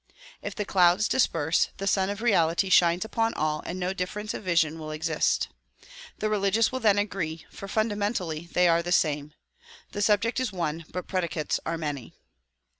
If the clouds dis perse, the Sun of Reality shines upon all and no difference of vision will exist. The religions will then agree, for fundamentally they are the same. The subject is one but predicates are many.